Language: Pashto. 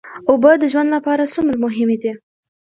اوبه د ژوند لپاره څومره مهمې دي